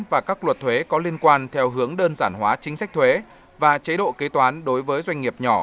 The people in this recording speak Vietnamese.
và các luật thuế có liên quan theo hướng đơn giản hóa chính sách thuế và chế độ kế toán đối với doanh nghiệp nhỏ